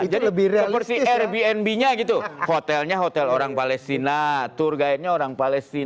jadi seperti airbnb nya gitu hotelnya hotel orang palestina turgaennya orang palestina